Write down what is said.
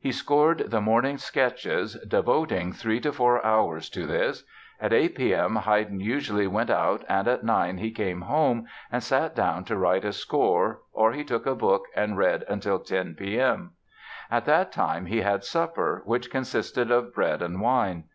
He scored the morning's sketches, devoting three to four hours to this. At 8 P.M. Haydn usually went out and at 9 he came home and sat down to write a score or he took a book and read until 10 P.M. At that time he had supper, which consisted of bread and wine.